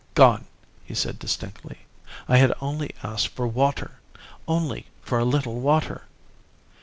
'Gone!' he said distinctly. 'I had only asked for water only for a little water....